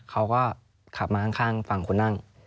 เขาก็ขับมาข้างฝั่งคนนั่ง